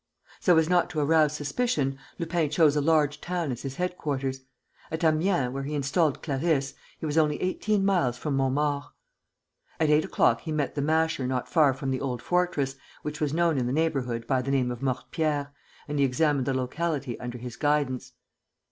So as not to arouse suspicion, Lupin chose a large town as his headquarters. At Amiens, where he installed Clarisse, he was only eighteen miles from Montmaur. At eight o'clock he met the Masher not far from the old fortress, which was known in the neighbourhood by the name of Mortepierre, and he examined the locality under his guidance.